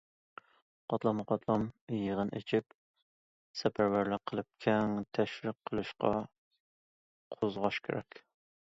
قاتلاممۇ قاتلام يىغىن ئېچىپ، سەپەرۋەرلىك قىلىپ، كەڭ تەشۋىق قىلىشقا قوزغاش كېرەك.